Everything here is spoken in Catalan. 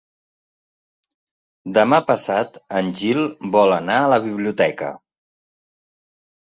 Demà passat en Gil vol anar a la biblioteca.